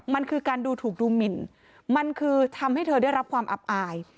มันคือการดูถูกดูหมินมันคือทำให้เธอได้รับความอับอาย